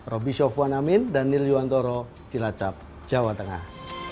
roby sofwan amin daniel yuwantoro cilacap jawa tengah